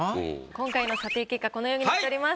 今回の査定結果このようになっております。